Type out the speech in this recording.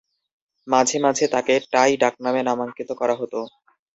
মাঝেমাঝে তাকে টাই ডাকনামে নামাঙ্কিত করা হতো।